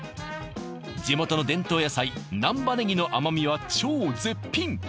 地元の伝統野菜難波ネギの甘みは超絶品！